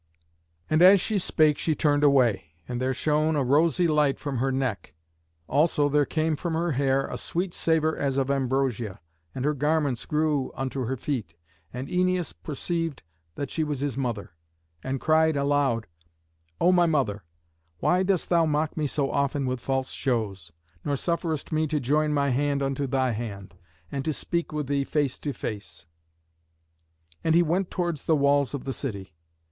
And as she spake she turned away, and there shone a rosy light from her neck, also there came from her hair a sweet savour as of ambrosia, and her garments grew unto her feet; and Æneas perceived that she was his mother, and cried aloud, "O my mother, why dost thou mock me so often with false shows, nor sufferest me to join my hand unto thy hand, and to speak with thee face to face?" And he went towards the walls of the city.